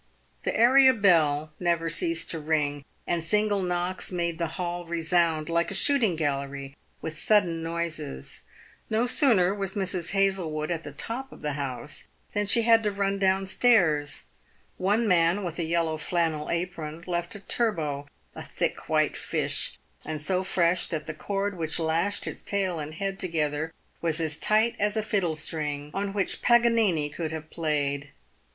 The area bell never ceased to ring, and single knocks made the hall resound, like a shooting gallery, with sudden noises. No sooner was Mrs. Hazlewood at the top of the house than she had to run down stairs. One man, with a yellow flannel apron, left a turbot — a thick, white fish, and so fresh that the cord which lashed its tail and head together was as tight as a fiddle string, on which Paganini could have played.